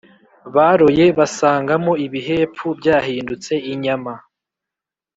baroye basangamo ibihepfu byahindutse inyama,